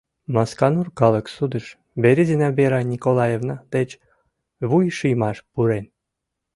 — Масканур калык судыш Березина Вера Николаевна деч вуйшиймаш пурен.